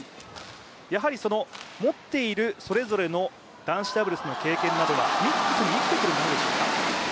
やはり持っているそれぞれの男子ダブルスの経験などが、ミックスに生きてくるものでしょうか？